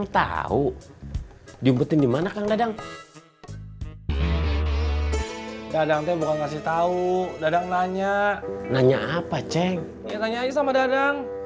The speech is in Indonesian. terima kasih sama dadang